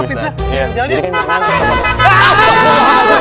ini dia kan nyaman ustadz